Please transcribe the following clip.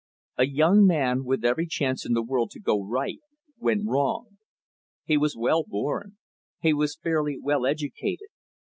A young man, with every chance in the world to go right, went wrong. He was well born. He was fairly well educated.